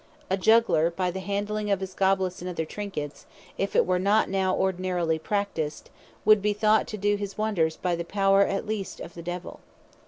A juggler by the handling of his goblets, and other trinkets, if it were not now ordinarily practised, would be thought to do his wonders by the power at least of the Devil.